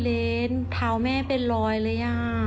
เลนเท้าแม่เป็นรอยเลย